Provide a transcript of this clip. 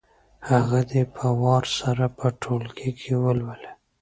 هغه دې په وار سره په ټولګي کې ولولي.